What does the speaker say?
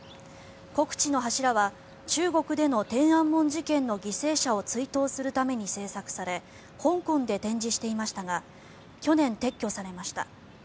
国恥の柱は中国での天安門事件の犠牲者を追悼するために制作され香港で展示していましたが去年、撤去されました。